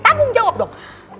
takung jawab dong